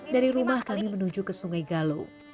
dari rumah kami menuju ke sungai galu